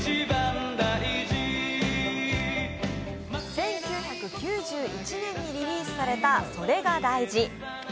１９９１年にリリースされた「それが大事」。